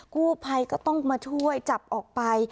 กู้ภัยก็ต้องมาช่วยจับออกไป